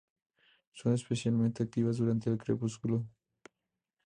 Son especialmente activas durante el crepúsculo.